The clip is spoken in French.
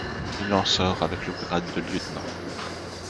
Il en sort avec le grade de lieutenant.